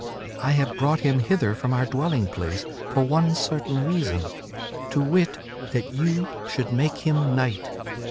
I have brought him hither from our dwelling place for one certain reason; to wit, that you should make him knight.